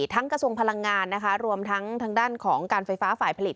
กระทรวงพลังงานนะคะรวมทั้งทางด้านของการไฟฟ้าฝ่ายผลิต